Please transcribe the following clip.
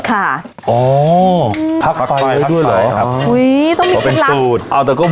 ค่ะอ๋อพักไฟพักไฟด้วยเหรออ๋ออุ้ยต้องมีอ๋อแต่ก็